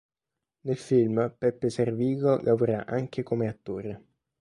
Nel film Peppe Servillo lavora anche come attore.